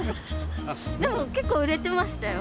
でも結構売れてましたよ。